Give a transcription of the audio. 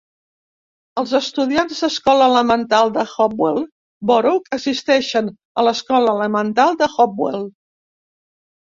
Els estudiants d'escola elemental de Hopewell Borough assisteixen a L'Escola Elemental de Hopewell.